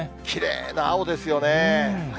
きれいな青ですよね。